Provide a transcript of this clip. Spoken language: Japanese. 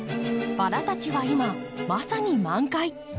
バラたちは今まさに満開。